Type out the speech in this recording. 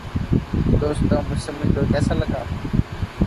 The canon law was simply adopted from the Byzantine sources.